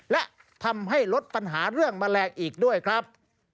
และทำให้ลดปัญหาเรื่องแมลงอีกด้วยครับ